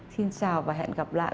xin chào và hẹn gặp lại